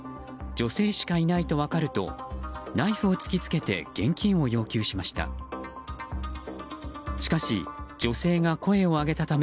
女性しかいないと分かるとナイフを突きつけて現金を要求しました。